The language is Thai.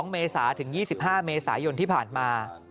เมษาถึง๒๕เมษายนที่ผ่านมา